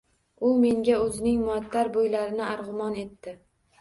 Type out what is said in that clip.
U menga o‘zining muattar bo‘ylarini armug‘on etdi